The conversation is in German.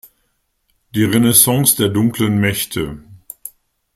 Die Renaissance der dunklen Mächte“.